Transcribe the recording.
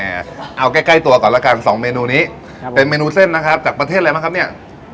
เอาใกล้ตัวก่อนละกัน๒เมนูนี้เป็นเมนูเส้นนะครับจากประเทศอะไรมาครับเนี่ย